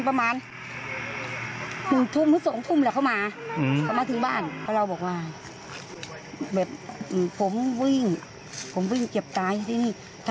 ก็เลยยิงสวนไปแล้วถูกเจ้าหน้าที่เสียชีวิต